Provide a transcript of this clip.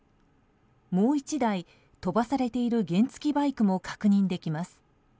もう１台飛ばされている原付きバイクも確認できます。